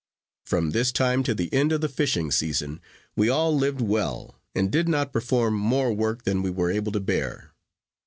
From this time to the end of the fishing season, we all lived well, and did not perform more work than we were able to bear.